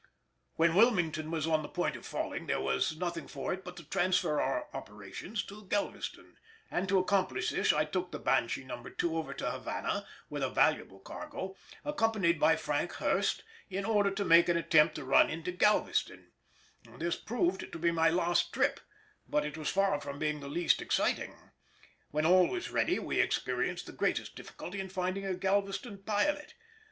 When Wilmington was on the point of falling there was nothing for it but to transfer our operations to Galveston, and to accomplish this I took the Banshee No. 2 over to Havana with a valuable cargo, accompanied by Frank Hurst, in order to make an attempt to run into Galveston: this proved to be my last trip, but it was far from being the least exciting. When all was ready we experienced the greatest difficulty in finding a Galveston pilot.